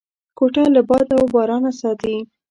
کوټه له باد و بارانه ساتي.